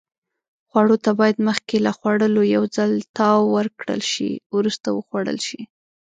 خوړو ته باید مخکې له خوړلو یو ځل تاو ورکړل شي. وروسته وخوړل شي.